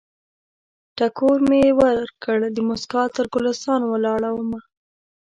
ټکور مې ورکړ، دموسکا تر ګلستان ولاړمه